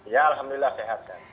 ya alhamdulillah sehat